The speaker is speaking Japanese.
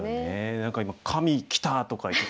何か今「神キター」とか言ってた。